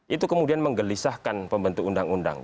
itu kemudian menggelisahkan pembentuk undang undang